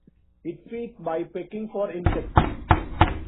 It feeds by pecking for insects.